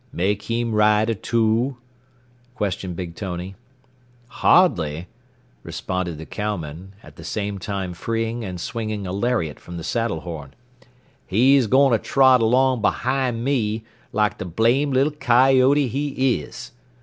"Make heem rida too?" questioned Big Tony. "Hardly," responded the cowman, at the same time freeing and swinging a lariat from the saddle horn. "He's going to trot along behind me like the blame little coyote he is.